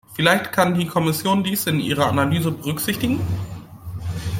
Vielleicht kann die Kommission dies in ihrer Analyse berücksichtigen?